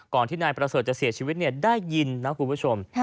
ที่นายประเสริฐจะเสียชีวิตได้ยินนะคุณผู้ชม